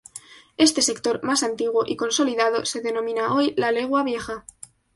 Este sector, más antiguo y consolidado, se denomina hoy "La Legua Vieja".